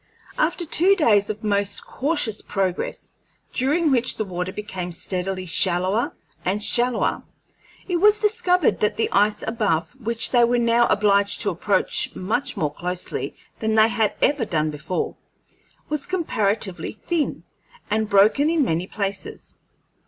After two days of most cautious progress, during which the water became steadily shallower and shallower, it was discovered that the ice above, which they were now obliged to approach much more closely than they had ever done before, was comparatively thin, and broken in many places.